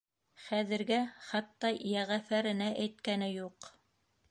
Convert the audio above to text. Хәҙергә хатта Йәғәфәренә әйткәне юҡ.